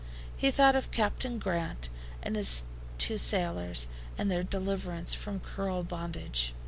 He thought of Captain Grant and his two sailors, and their deliverance from cruel bondage.